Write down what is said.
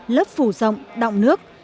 lớp phủ rộng động nước